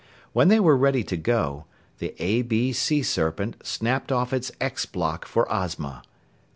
When they were ready to go, the A B Sea Serpent snapped off its X block for Ozma.